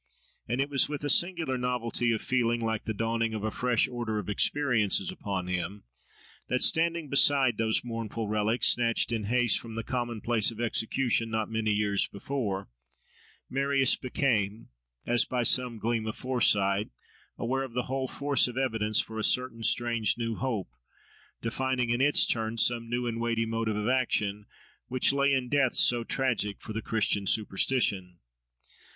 And it was with a singular novelty of feeling, like the dawning of a fresh order of experiences upon him, that, standing beside those mournful relics, snatched in haste from the common place of execution not many years before, Marius became, as by some gleam of foresight, aware of the whole force of evidence for a certain strange, new hope, defining in its turn some new and weighty motive of action, which lay in deaths so tragic for the "Christian superstition."